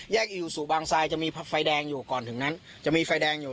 แยกอยู่สู่บางไซด์จะมีฟับไฟแดงอยู่ก่อนถึงนั้นจะมีไฟแดงอยู่